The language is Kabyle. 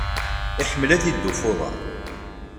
Iḥemmel ad yeddu ɣef uḍaṛ.